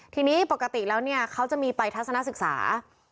ทีนี้ปกติแล้วเนี่ยเขาจะมีไปทัศนศึกษา